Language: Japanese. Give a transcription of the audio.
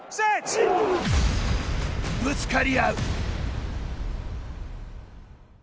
ぶつかり合う。